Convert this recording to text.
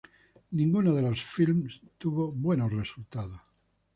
Ninguno de los filmes tuvo buenos resultados.